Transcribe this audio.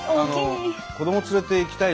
子ども連れて行きたいなと。